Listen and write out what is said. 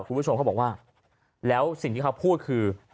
คุณผู้ชมเขาบอกว่าแล้วสิ่งที่เขาพูดคือ